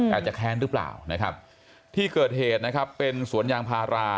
อาจจะแค้นหรือเปล่านะครับที่เกิดเหตุนะครับเป็นสวนยางพารา